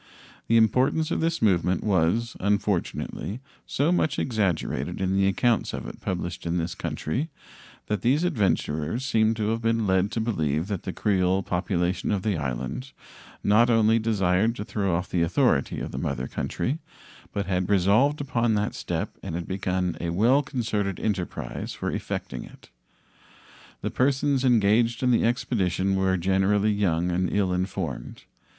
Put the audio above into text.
The importance of this movement was, unfortunately, so much exaggerated in the accounts of it published in this country that these adventurers seem to have been led to believe that the Creole population of the island not only desired to throw off the authority of the mother country, but had resolved upon that step and had begun a well concerted enterprise for effecting it. The persons engaged in the expedition were generally young and ill informed.